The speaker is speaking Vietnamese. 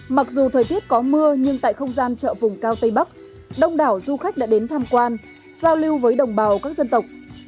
mặc dù thời tiết có mưa nhưng tại không gian chợ vùng cao tây bắc đông đảo du khách đã đến tham quan giao lưu với đồng bào các dân tộc